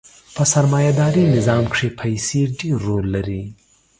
په سرمایه داري نظام کښې پیسې ډېر رول لري.